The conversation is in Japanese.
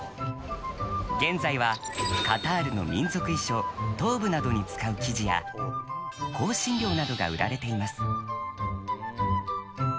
現在はカタールの民族衣装トーブなどに使う生地や香辛料などが売られています。